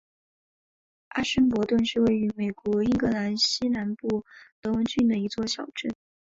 阿什伯顿是位于英国英格兰西南部德文郡的一座小镇。